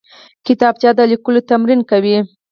کتابچه د لیکلو تمرین کوي